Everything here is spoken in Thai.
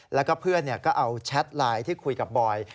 แล้วก็เพื่อนก็เอาแชทไลน์ที่คุยกับบอย